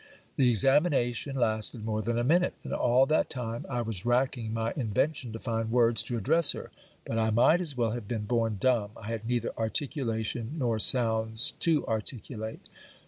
The examination lasted more than a minute; and all that time I was racking my invention to find words to address her, but I might as well have been born dumb: I had neither articulation, nor sounds to articulate.